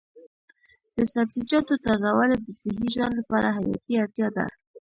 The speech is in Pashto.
د سبزیجاتو تازه والي د صحي ژوند لپاره حیاتي اړتیا ده.